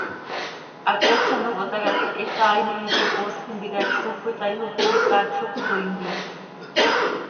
Hacat z ano cohtácatx, hixaainim iti, poosj tintica isoj cöitaaijoj, itaacloj, toii ntiya.